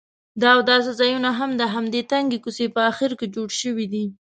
د اوداسه ځایونه هم د همدې تنګې کوڅې په اخر کې جوړ شوي دي.